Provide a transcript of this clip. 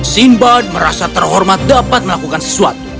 simbad merasa terhormat dapat melakukan sesuatu